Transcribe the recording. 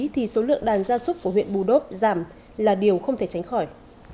thì số lượng đàn gia súc của huyện bù đốp giảm là điều không thể tránh khỏi